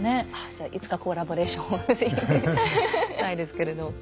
じゃあいつかコラボレーションを是非したいですけれど。